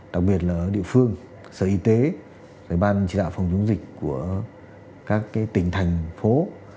đặc biệt là địa phương sở y tế giải ban chỉ đạo phòng chống dịch của các cái tỉnh thành phố